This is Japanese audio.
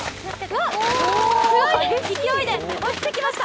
すごい勢いで落ちてきました。